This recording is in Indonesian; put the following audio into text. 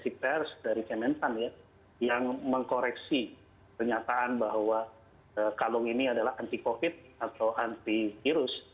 ada penelitian dari kementerian pertahanan yang mengkoreksi pernyataan bahwa kalung ini adalah anti covid atau anti virus